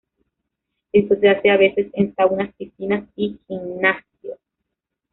Esto se hace a veces en saunas, piscinas y gimnasios.